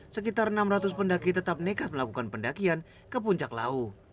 sekitar enam ratus pendaki tetap nekat melakukan pendakian ke puncak lawu